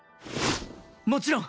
もちろん！